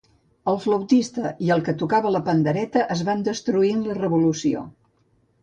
El flautista i el que tocava la pandereta es van destruir en la revolució.